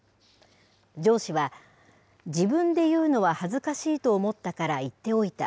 上司は、自分で言うのは恥ずかしいと思ったから、言っておいた。